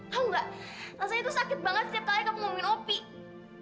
tahu nggak rasanya tuh sakit banget setiap kali kamu ngomongin opie